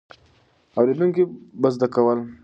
اورېدونکي به زده کول.